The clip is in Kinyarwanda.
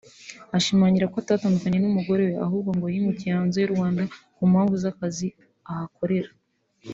ashimangira ko atatandukanye n’umugore we ahubwo ngo yimukiye hanze y’u Rwanda ku mpamvu z’akazi ahakorera